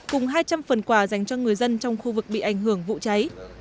cùng hai trăm linh phần quà dành cho người dân trong khu vực bị ảnh hưởng vụ cháy